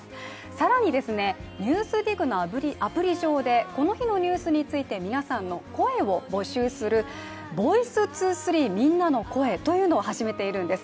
更に「ＮＥＷＳＤＩＧ」のアプリ上でこの日のニュースについて皆さんの声を募集する「ｖｏｉｃｅ２３みんなの声」というのをはじめているんです。